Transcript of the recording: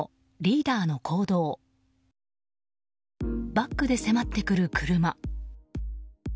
バックで迫ってくる車。